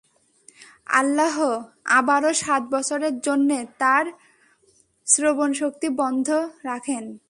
আল্লাহ আবারও সাত বছরের জন্যে তার শ্রবণ শক্তি বন্ধ রাখেন।